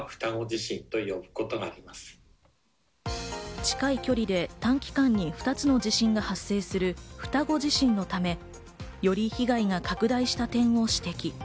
近い距離で短期間に２つの地震が発生する双子地震のため、より被害が拡大した点を指摘。